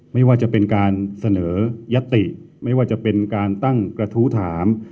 ไม่ว่าจะเป็นการเสนอยัตติไม่ว่าจะเป็นการตั้งกระทู้ถาม